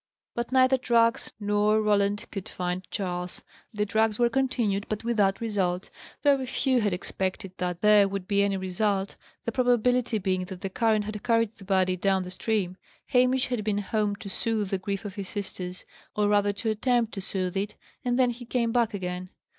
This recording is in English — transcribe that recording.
But neither drags nor Roland could find Charles. The drags were continued, but without result. Very few had expected that there would be any result, the probability being that the current had carried the body down the stream. Hamish had been home to soothe the grief of his sisters or rather to attempt to soothe it and then he came back again.